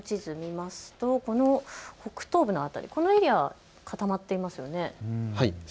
この地図によりますと北東部の辺り、このエリア固まっていますよね。